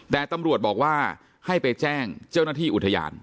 แต่ตำรวจบอกว่าให้ไปแจ้งเจ้าหน้าที่อุทยาน